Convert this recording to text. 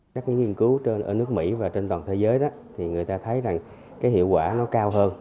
các nghiên cứu ở nước mỹ và trên toàn thế giới người ta thấy hiệu quả cao hơn